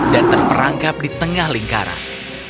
dan terperangkap di tengah lingkaran